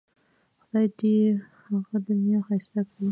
خدای دې یې هغه دنیا ښایسته کړي.